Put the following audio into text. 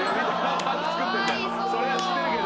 それは知ってるけど。